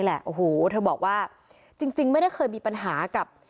เธอบอกว่าหรือจริงไม่ได้เคยมีปัญหากับ